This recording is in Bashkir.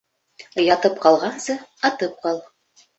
Ятып ҡалғансы, атып ҡал.